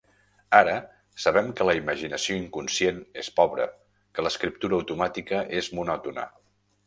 Ara sabem que la imaginació inconscient és pobra, que l'escriptura automàtica és monòtona.